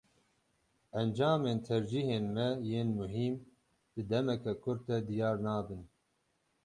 Encamên tercîhên me yên muhîm, di demeke kurt de diyar nabin.